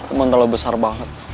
emang terlalu besar banget